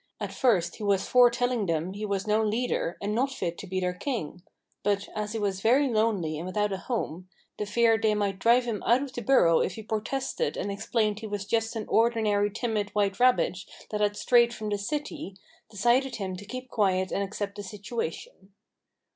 At first he was for tell ing them he was no leader, and not fit to be their: king; but, as he was very lonely and without a 9 10 Bumper Hunts With the Pack home, the fear they might drive him out of the burrow if he protested and explained he was just an ordinary timid white rabbit that had strayed from the city decided him to keep quiet and ac cept the situation.